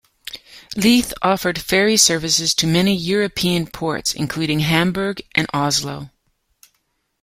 Leith offered ferry services to many European ports, including Hamburg and Oslo.